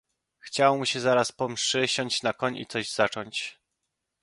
"Chciało mu się zaraz po mszy siąść na koń i coś zacząć."